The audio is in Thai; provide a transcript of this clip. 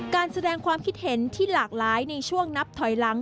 การแสดงความคิดเห็นที่หลากหลายในช่วงนับถอยหลัง